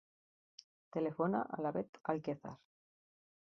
Telefona a la Bet Alquezar.